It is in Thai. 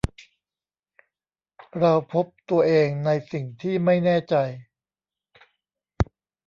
เราพบตัวเองในสิ่งที่ไม่แน่ใจ